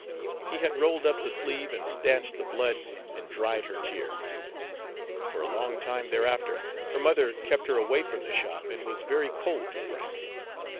He had rolled up the sleeve and stanched the blood and dried her tears. For a long time thereafter her mother kept her away from the shop and was very cold to Frank.